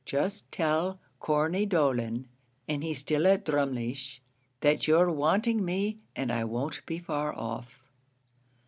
Just tell Corney Dolan, and he's still at Drumleesh, that you're wanting me, and I won't be far off."